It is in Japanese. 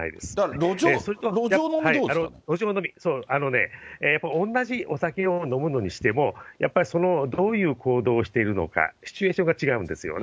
路上飲み、あのね、同じお酒を飲むのでも、やっぱりどういう行動をしているのか、シチュエーションが違うんですよね。